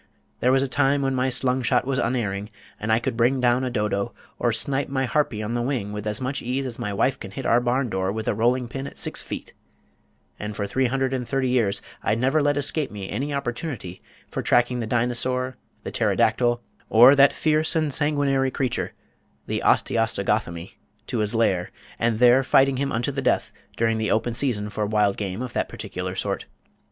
There was a time when my slungshot was unerring, and I could bring down a Dodo, or snipe my Harpy on the wing with as much ease as my wife can hit our barn door with a rolling pin at six feet, and for three hundred and thirty years I never let escape me any opportunity for tracking the Dinosaur, the Pterodactyl, or that fierce and sanguinary creature the Osteostogothemy to his lair and there fighting him unto the death during the open season for wild game of that particular sort.